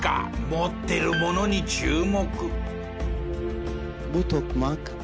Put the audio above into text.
持ってるものに注目！